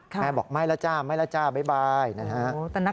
แม่บอกไม่แล้วจ้าไม่แล้วจ้าบ๊ายบายนะฮะ